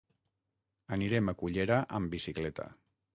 Anirem a Cullera amb bicicleta.